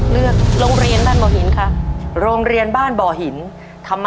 เลือกโรงเรียนบ้านบ่อหินค่ะ